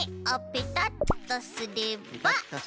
ペタッとすれば。